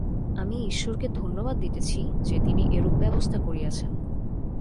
আমি ঈশ্বরকে ধন্যবাদ দিতেছি যে, তিনি এরূপ ব্যবস্থা করিয়াছেন।